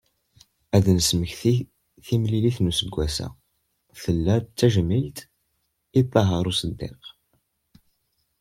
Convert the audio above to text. Ad d-nesmekti, timlilit n useggas-a, tella-d d tajmilt i Ṭaher Uṣeddiq.